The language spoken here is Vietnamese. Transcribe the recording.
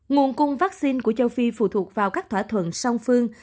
nguồn cung vaccine của châu phi phụ thuộc vào các thỏa thuận song phương